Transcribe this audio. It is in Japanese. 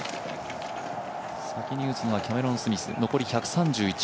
先に打つのはキャメロン・スミス、残り１３１。